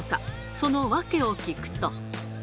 その訳を聞くと。